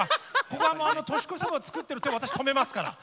ここは年越しそばを作ってる手を私止めますから。